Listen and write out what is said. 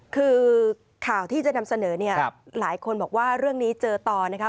คือข่าวที่จะนำเสนอเนี่ยหลายคนบอกว่าเรื่องนี้เจอต่อนะคะ